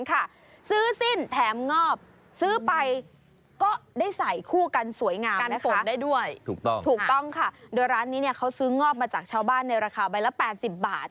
เขาซื้องอบมาจากชาวบ้านในราคาไปละ๘๐บาท